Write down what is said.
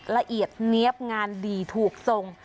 ละเอียดเนี๊ยบงานดีถูกทรง